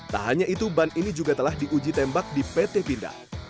tak hanya itu ban ini juga telah diuji tembak di pt pindad